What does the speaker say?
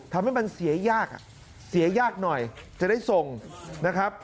ทำให้มันเสียยากอ่ะเสียยากหน่อยจะได้ส่งนะครับ